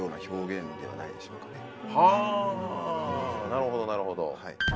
なるほどなるほど。